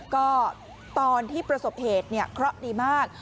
ก็ตอนที่ประสบเหตุเนี่ยเคราะห์ดีมาก